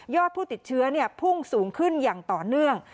ผู้ติดเชื้อพุ่งสูงขึ้นอย่างต่อเนื่อง